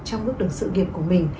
trong bước đường sự nghiệp của mình